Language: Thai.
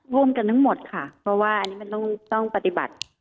ร่วมกันทั้งหมดค่ะเพราะว่าอันนี้มันต้องปฏิบัติ